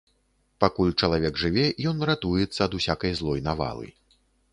Пакуль чалавек жыве, ён ратуецца ад усякай злой навалы.